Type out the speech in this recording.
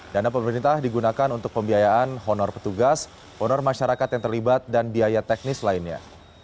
dana pemerintah digunakan untuk pembiayaan honor petugas honor masyarakat yang terlibat dan biaya teknis lainnya